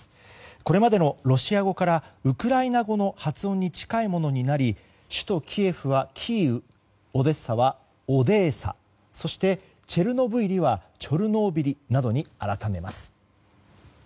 これまでのロシア語からウクライナ語の発音に近いものになり首都キエフはキーウオデッサはオデーサそしてチェルノブイリはチョルノービリなどに改めます。